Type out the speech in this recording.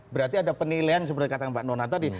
berarti ada penilaian seperti katakan pak nona tadi